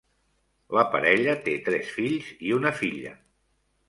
La parella té tres fills i una filla.